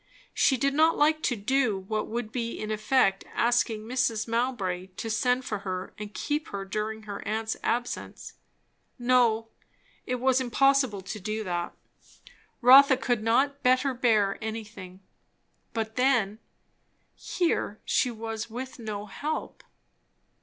She did not like to do what would be in effect asking Mrs. Mowbray to send for her and keep her during her aunt's absence. No, it was impossible to do that. Rotha could not Better bear anything. But then, here she was with no help!